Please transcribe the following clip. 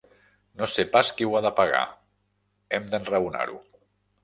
No sé pas qui ho ha de pagar: hem d'enraonar-ho.